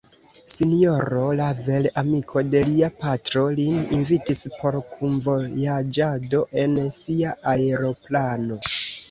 S-ro Lavel, amiko de lia patro, lin invitis por kunvojaĝado en sia aeroplano.